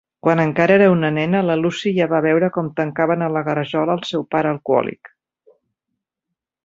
Quan encara era una nena, la Lucy ja va veure com tancaven a la garjola el seu pare alcohòlic.